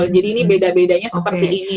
jadi ini beda bedanya seperti ini